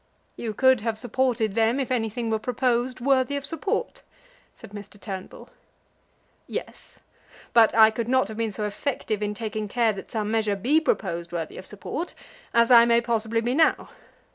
"You could have supported them, if anything were proposed worthy of support," said Mr. Turnbull. "Yes; but I could not have been so effective in taking care that some measure be proposed worthy of support as I may possibly be now.